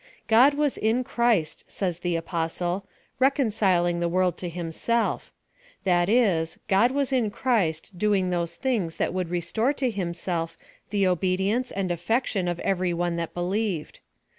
God way in Christ, says the Apostle, reconciling 174 PHILOSOPHY OP THE the world to Himself : that is, God was in Christ doinor those thing^s that would restore to Himself the obedience and affection of every one that believed.